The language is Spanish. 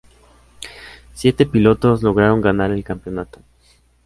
Siete pilotos lograron ganar el campeonato.